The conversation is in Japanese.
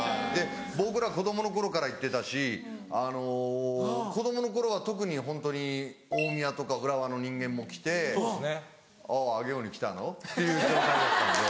僕ら子供の頃から行ってたし子供の頃は特にホントに大宮とか浦和の人間も来て「おぉ上尾に来たの？」っていう状態だったんで。